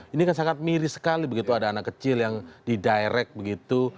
ini kan sangat miris sekali begitu ada anak kecil yang di direct begitu